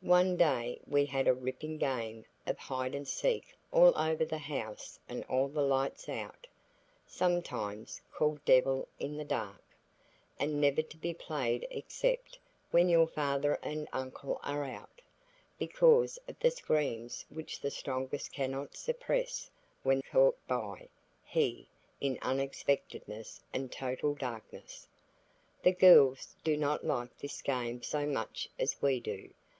One day we had a ripping game of hide and seek all over the house and all the lights out, sometimes called devil in the dark, and never to be played except when your father and uncle are out, because of the screams which the strongest cannot suppress when caught by "he" in unexpectedness and total darkness. The girls do not like this game so much as we do.